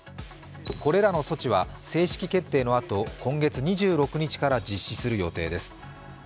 これらの措置は、正式決定のあと今月２６日から実施する予定です。